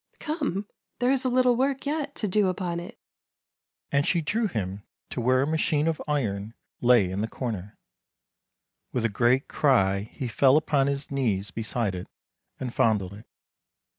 Come, there is a little work yet to do upon it ;" and she drew him to where a machine of iron lay in the corner. With a great cry he fell upon his knees beside it, and fondled it.